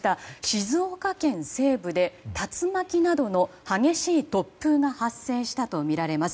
静岡県西部で竜巻などの激しい突風が発生したとみられます。